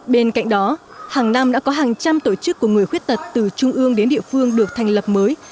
bên cạnh đó hàng năm đã có hàng trăm tổ chức của người khuyết tật từ trung ương đến địa phương được thành lập mới